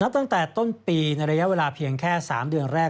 ตั้งแต่ต้นปีในระยะเวลาเพียงแค่๓เดือนแรก